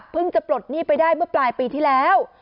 จะปลดหนี้ไปได้เมื่อปลายปีที่แล้ว